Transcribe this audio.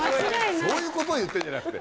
そういうことを言ってんじゃなくて。